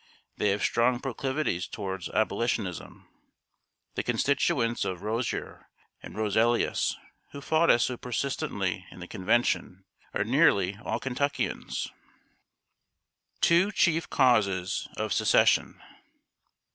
They have strong proclivities toward Abolitionism. The constituents of Rozier and Roselius, who fought us so persistently in the Convention, are nearly all Kentuckians." [Sidenote: TWO CHIEF CAUSES OF SECESSION.